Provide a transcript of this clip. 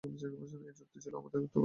এই যুক্তিটি ছিল তাদের কার্যকলাপের অনুকরণ।